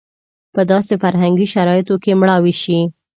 په داسې فرهنګي شرایطو کې مړاوې شي.